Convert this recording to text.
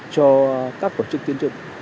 cho các tổ chức tiến dụng